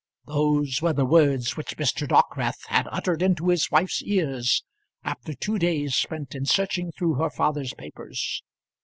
Those were the words which Mr. Dockwrath had uttered into his wife's ears, after two days spent in searching through her father's papers.